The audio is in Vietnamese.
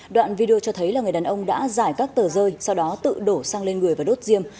đoạn video cho thấy là người đàn ông đã giải các tờ rơi sau đó tự đổ xăng lên người và đốt diêm